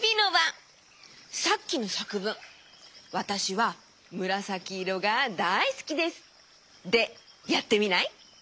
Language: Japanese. さっきのさくぶん「わたしはむらさきいろがだいすきです」でやってみない？